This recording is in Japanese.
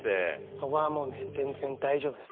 そこはもうね全然大丈夫です。